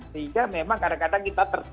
sehingga memang kadang kadang kita